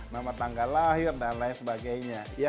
nama tanggal lahir dan lain sebagainya